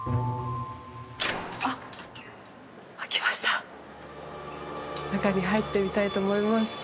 あっ開きました中に入ってみたいと思います